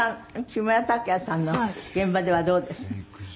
木村拓哉さんの現場ではどうです？